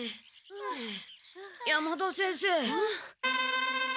山田先生。